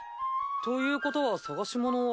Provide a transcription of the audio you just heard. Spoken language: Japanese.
ということは捜し物は。